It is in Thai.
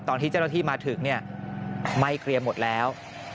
ตอนที่เจ้าหน้าที่มาถึงไม่เคลียร์หมดแล้ว